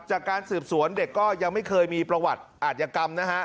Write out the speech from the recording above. จากการสืบสวนเด็กก็ยังไม่เคยมีประวัติอาจยกรรมนะฮะ